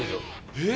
えっ！？